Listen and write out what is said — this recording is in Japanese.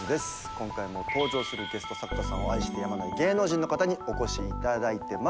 今回も登場するゲスト作家さんを愛してやまない芸能人の方にお越しいただいてます。